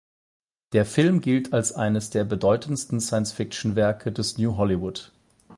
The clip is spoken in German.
Der Film gilt als eines der bedeutendsten Science-Fiction-Werke des New Hollywood.